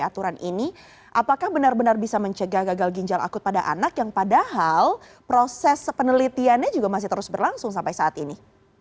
aturan ini apakah benar benar bisa mencegah gagal ginjal akut pada anak yang padahal proses penelitiannya juga masih terus berlangsung sampai saat ini